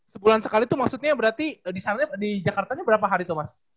sebulan sekali tuh maksudnya berarti di jakartanya berapa hari tuh mas